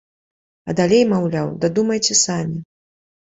А далей, маўляў, дадумайце самі.